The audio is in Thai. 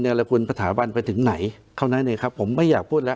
เนื้อละกูลปฐาบันไปถึงไหนเข้านั้นเนี่ยครับผมไม่อยากพูดแล้ว